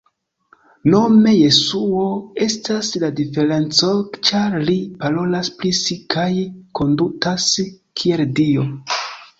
Nome Jesuo estas la diferenco ĉar li parolas pri si kaj kondutas kiel Dio!